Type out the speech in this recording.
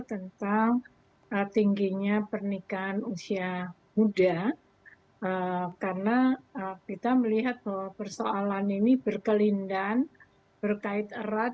tentang tingginya pernikahan usia muda karena kita melihat bahwa persoalan ini berkelindahan berkait erat